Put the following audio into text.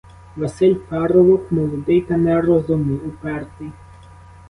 Василь парубок, молодий та нерозумний, упертий.